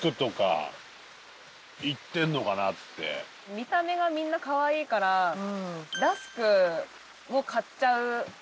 見た目がみんな可愛いからラスクを買っちゃう。